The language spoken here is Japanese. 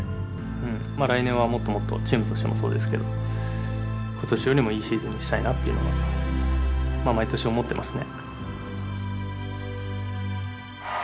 来年はもっともっとチームとしてもそうですけど今年よりもいいシーズンにしたいなっていうのは毎年思ってますね。